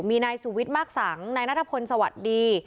มีนายสุวิทย์มากสังนายนัทพลสวัสดี